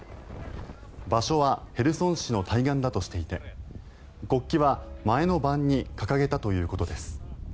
場所はヘルソン市の対岸だとしていて国旗は前の晩に掲げたということです。